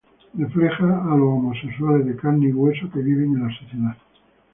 Refleja a los homosexuales de carne y hueso que viven en la sociedad.